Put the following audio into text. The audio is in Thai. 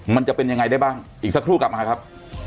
มันจะเป็นยังไงได้บ้างอีกสักครู่กลับมาครับ